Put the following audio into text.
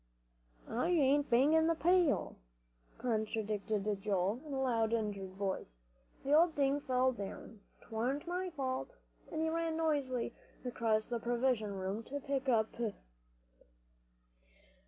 "I ain't bangin' the pail," contradicted Joel, in a loud, injured voice; "the old thing fell down. 'Twarn't my fault." And he ran noisily across the provision room to pick it up.